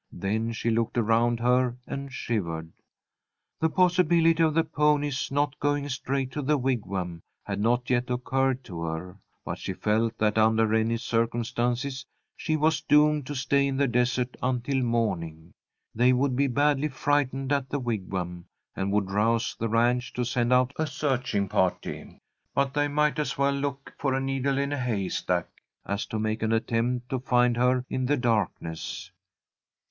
Then she looked around her and shivered. The possibility of the pony's not going straight to the Wigwam had not yet occurred to her, but she felt that under any circumstances she was doomed to stay in the desert until morning. They would be badly frightened at the Wigwam, and would rouse the ranch to send out a searching party, but they might as well look for a needle in a haystack as to make an attempt to find her in the darkness.